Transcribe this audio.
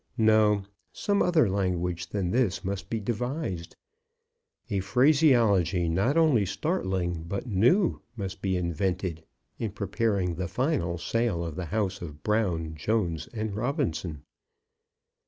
No; some other language than this must be devised. A phraseology not only startling but new must be invented in preparing the final sale of the house of Brown, Jones, and Robinson.